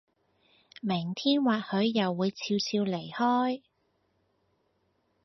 明天或許又會俏俏離開